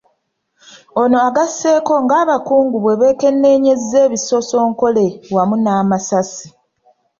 Ono agasseeko ng’abakungu bwe beekenneenyezza ebisosonkole wamu n’amasasi.